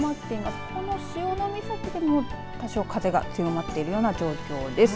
先ほど潮岬でも多少、風が強まっているような状況です。